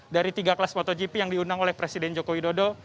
dari tiga kelas motogp yang diundang oleh presiden joko widodo